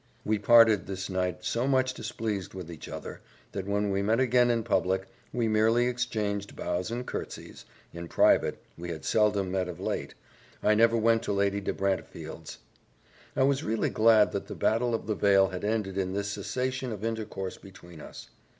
We parted this night so much displeased with each other, that when we met again in public, we merely exchanged bows and curtsies in private we had seldom met of late I never went to Lady de Brantefield's. I was really glad that the battle of the veil had ended in this cessation of intercourse between us.